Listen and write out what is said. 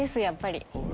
やっぱり。